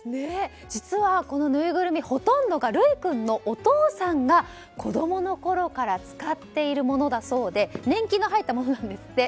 実はこのぬいぐるみほとんどが琉衣君のお父さんが子供のころから使っているものだそうで年季が入ったものなんですって。